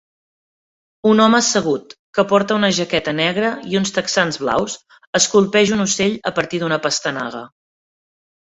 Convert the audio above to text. Un home assegut, que porta una jaqueta negra i uns texans blaus, esculpeix un ocell a partir d'una pastanaga.